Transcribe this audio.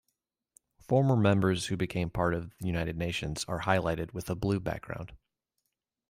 Former members who became part of United Nations are highlighted with a blue background.